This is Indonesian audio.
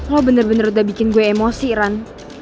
lo bener bener udah bikin gue emosi kan